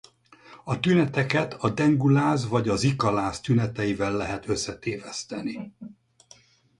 A tüneteket a dengue-láz vagy a Zika-láz tüneteivel lehet összetéveszteni.